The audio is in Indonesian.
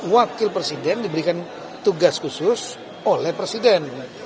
wakil presiden diberikan tugas khusus oleh presiden